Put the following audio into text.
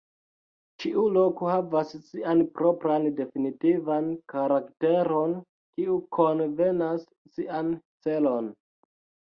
Ĉiu loko havas sian propran definitivan karakteron kiu konvenas sian celon.